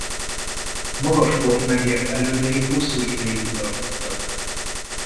Magas kort megért elődei hosszú ideig uralkodtak.